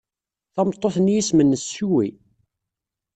Tameṭṭut-nni isem-nnes Sue.